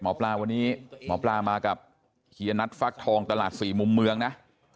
หมอปลาวันนี้หมอปลามากับชี่ยนัดฝรั่งทองตลาด๔มุมเมืองนะ